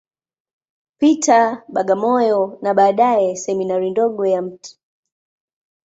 Peter, Bagamoyo, na baadaye Seminari ndogo ya Mt.